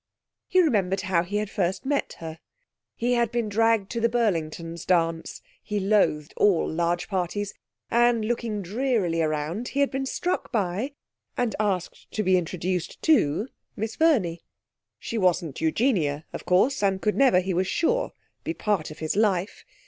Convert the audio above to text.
He remembered how he had first met her. He had been dragged to the Burlingtons' dance he loathed all large parties and, looking drearily round, he'd been struck by, and asked to be introduced to, Miss Verney. She wasn't Eugenia, of course, and could never, he was sure, be part of his life.